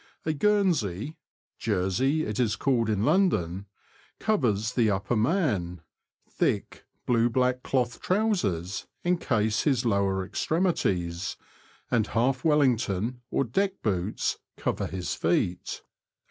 A Guernsey (Jersey it is called in London) covers the upper man, thick blue black cloth trousers encase his lower extremities, and half Wellington or deck boots cover his feet.